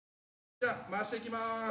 じゃあ回していきます！